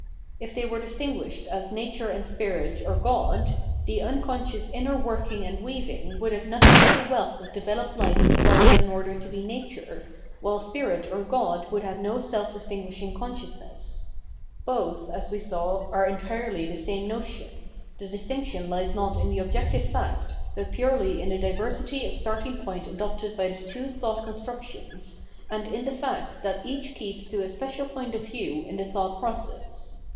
If they were distinguished as Nature and Spirit or God, the unconscious inner working and weaving would have nothing of the wealth of developed life required in order to be nature, while Spirit or God would have no self distinguishing consciousness. Both, as we saw, are entirely the same notion; the distinction lies not in the objective fact, but purely in the diversity of starting point adopted by the two thought construc tions, and in the fact that each keeps to a special point of view in the thought process.